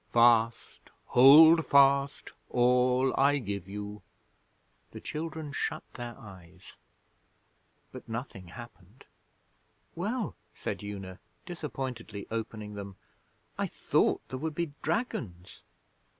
Fast! Hold fast all I give you.' The children shut their eyes, but nothing happened. 'Well?' said Una, disappointedly opening them. 'I thought there would be dragons.'